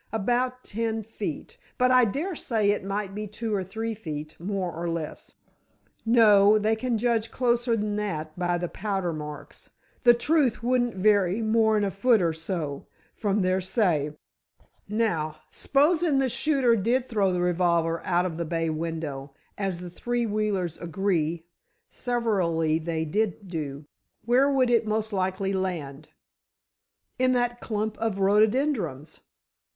"About ten feet—but I daresay it might be two or three feet, more or less." "No; they can judge closer'n that by the powder marks. The truth wouldn't vary more'n a foot or so, from their say. Now, s'posin' the shooter did throw the revolver out of the bay window, as the three Wheelers agree, severally, they did do, where would it most likely land?" "In that clump of rhododendrons."